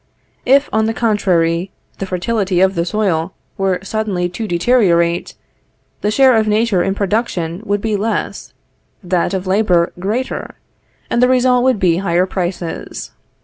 If, on the contrary, the fertility of the soil were suddenly to deteriorate, the share of Nature in production would be less, that of labor greater, and the result would be higher prices.